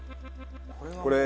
これ。